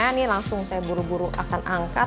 ini langsung saya buru buru akan angkat